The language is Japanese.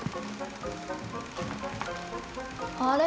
あれ？